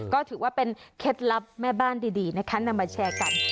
ก็ถือว่าเป็นเคล็ดลับแม่บ้านดีนะคะนำมาแชร์กัน